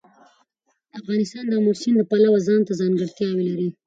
افغانستان د آمو سیند د پلوه ځانته ځانګړتیا لري.